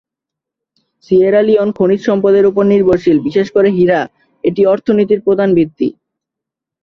Sierra Leone খনিজ সম্পদের উপর নির্ভরশীল, বিশেষ করে হীরা, এটি অর্থনীতির প্রধান ভিত্তি।